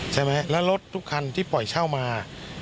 ใช่ไหมแล้วรถทุกคันที่ปล่อยเช่ามา